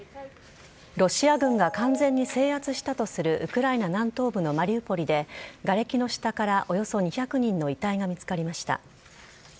ロシア軍が完全に制圧したとするウクライナ南東部のマリウポリでがれきの下からおよそ２００人の遺体が見つかりました。